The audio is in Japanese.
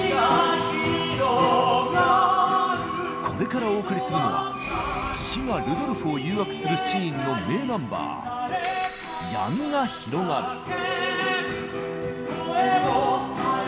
これからお送りするのは「死」がルドルフを誘惑するシーンの名ナンバー「闇が広がる」。